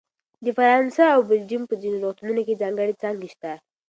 د فرانسه او بلجیم په ځینو روغتونونو کې ځانګړې څانګې شته.